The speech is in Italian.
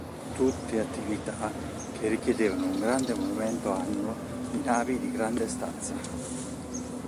Tutte attività che richiedevano un grande movimento annuo di navi di grande stazza.